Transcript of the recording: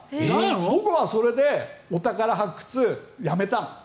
僕はそれでお宝発掘やめたの。